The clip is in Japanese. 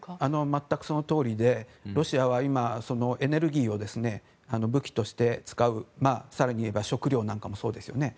全くそのとおりでロシアは今エネルギーを武器として使う更にいえば食料なんかもそうですよね。